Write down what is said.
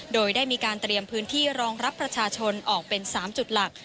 โดยได้มีการเตรียมพื้นที่รองรับประชาชนออกเป็น๓จุดหลัก